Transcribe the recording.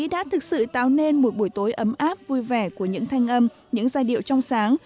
đã thực sự tạo nên một buổi tối ấm áp vui vẻ của những thanh âm những giai điệu trong sáng